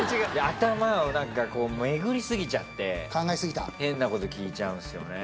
頭を巡り過ぎちゃって変なこと聞いちゃうんすよね。